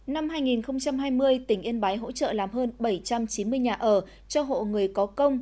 năm hai nghìn hai mươi tỉnh yên bái hỗ trợ làm hơn bảy trăm chín mươi nhà ở cho hộ người có công